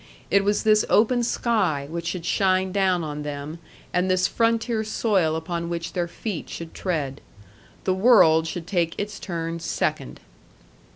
It was this open sky which should shine down on them, and this frontier soil upon which their feet should tread. The world should take its turn second.